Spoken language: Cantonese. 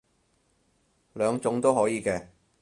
兩種都可以嘅